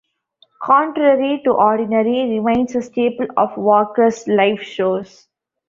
"Contrary to Ordinary" remains a staple of Walker's live shows.